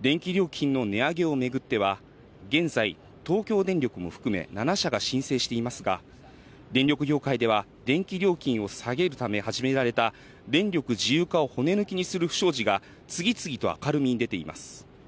電気料金の値上げを巡っては、現在、東京電力も含め、７社が申請していますが、電力業界では、電気料金を下げるため始められた電力自由化を骨抜きにする不祥事が次々と明るみに出ています。